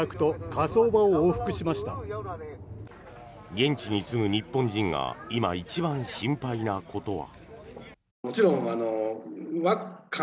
現地に住む日本人が今、一番心配なことは。